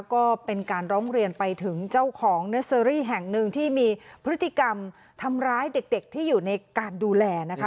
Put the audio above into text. ก็เป็นการร้องเรียนไปถึงเจ้าของเนอร์เซอรี่แห่งหนึ่งที่มีพฤติกรรมทำร้ายเด็กที่อยู่ในการดูแลนะคะ